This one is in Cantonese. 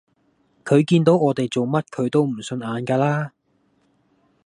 佢見到我哋做乜佢都唔順眼架啦